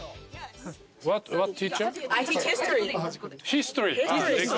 ヒストリー歴史。